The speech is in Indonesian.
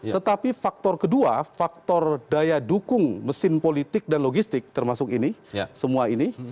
tetapi faktor kedua faktor daya dukung mesin politik dan logistik termasuk ini semua ini